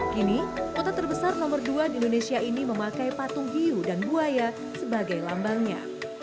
kini kota terbesar nomor dua di indonesia ini memakai patung hiu dan buaya sebagai lambangnya